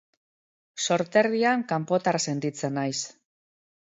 Sorterrian kanpotar sentitzen naiz.